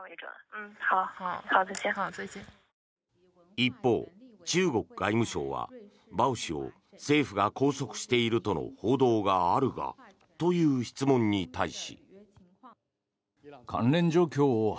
一方、中国外務省はバオ氏を政府が拘束しているとの報道があるが？という質問に対し。